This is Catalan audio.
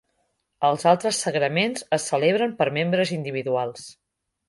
Els altres sagraments es celebren per a membres individuals.